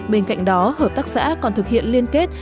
bên cạnh đó hợp tác xã còn thực hiện liên kết